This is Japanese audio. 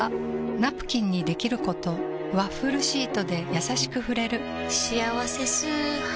ナプキンにできることワッフルシートでやさしく触れる「しあわせ素肌」